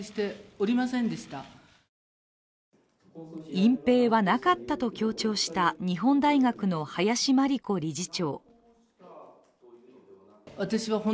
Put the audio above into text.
隠蔽はなかったと強調した日本大学の林真理子理事長。